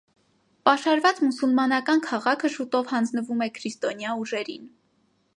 Պաշարված մուսուլմանական քաղաքը շուտով հանձնվում է քրիստոնյա ուժերին։